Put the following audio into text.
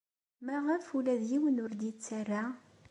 Maɣef ula d yiwen ur la d-yettarra?